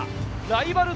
ライバル。